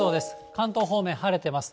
関東方面、晴れてます。